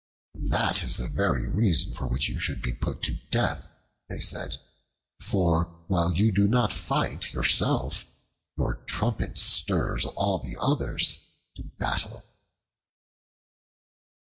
"That is the very reason for which you should be put to death," they said; "for, while you do not fight yourself, your trumpet stirs all the others to battle."